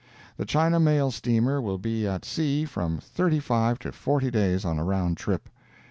The China mail steamer will be at sea from thirty five to forty days on a round trip.